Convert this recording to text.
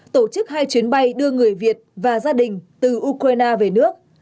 tổ chức hai chuyến bay đưa người việt và gia đình từ ukraine về nước